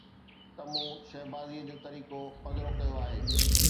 ته مون شهبازيءَ جو طريقو پڌرو ڪيو آهي